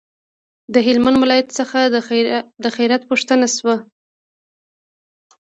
د هلمند ولایت څخه د خیریت پوښتنه شوه.